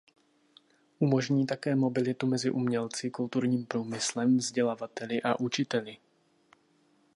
Umožní také mobilitu mezi umělci, kulturním průmyslem, vzdělavateli a učiteli.